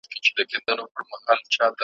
اغیار بدنامه کړی یم شړې یې او که نه ,